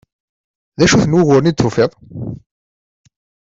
D acu-ten wuguren i d-tufiḍ?